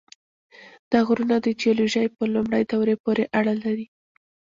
دا غرونه د جیولوژۍ په لومړۍ دورې پورې اړه لري.